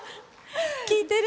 聴いてる？